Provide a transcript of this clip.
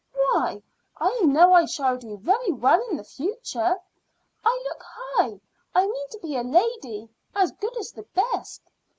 Why, I know I shall do very well in the future. I look high. I mean to be a lady, as good as the best.